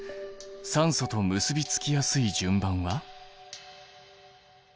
酸素と結びつきやすい順番は？